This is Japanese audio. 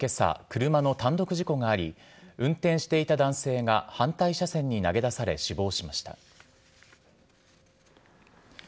群馬県の関越自動車道でけさ、車の単独事故があり、運転していた男性が反対車線に投げ出され、死亡しました。